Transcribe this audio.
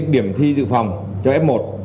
điểm thi dự phòng cho f một